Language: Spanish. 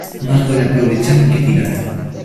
Más vale aprovechar que tirar.